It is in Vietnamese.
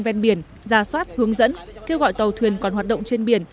ven biển ra soát hướng dẫn kêu gọi tàu thuyền còn hoạt động trên biển